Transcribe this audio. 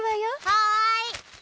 はい！